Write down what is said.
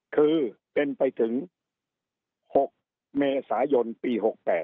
คือเป็นไปถึง๖เมษายนปี๖๘